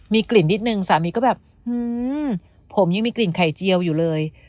มีกลิ่นนิดนึงสามีก็แบบผมยังมีกลิ่นไข่เจียวอยู่เลย